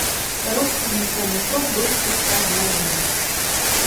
Рух цягнікоў метро быў хутка адноўлены.